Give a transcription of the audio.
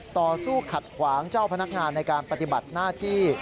ต่อสู้ขัดขวางเจ้าพนักงานในการปฏิบัติหน้าที่